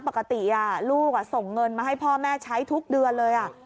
ปกติลูกส่งเงินมาให้พ่อแม่ใช้ทุกเดือนเลย